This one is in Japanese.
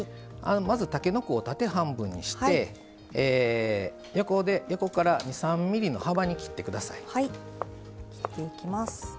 まず、たけのこを縦半分にして横から２３ｍｍの幅に切ってください。